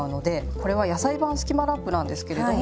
これは野菜版スキマラップなんですけれども。